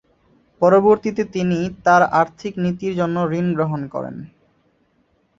পরবর্তীতে তিনি তার আর্থিক নীতির জন্য ঋণ গ্রহণ করেন।